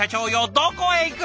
どこへ行く！